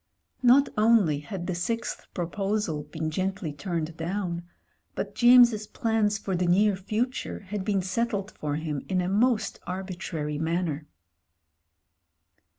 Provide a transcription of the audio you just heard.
Not only had the sixth proposal been gently turned down — ^but James's plans for the near future had been settled for him in a most arbitrary manner.